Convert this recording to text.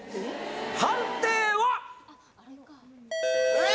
判定は？えっ！